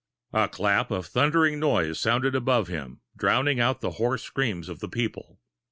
A clap of thundering noise sounded above him, drowning the hoarse screams of the people.